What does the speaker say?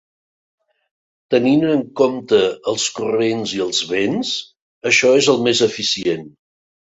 Tenint en compte els corrents i els vents, això és el més eficient.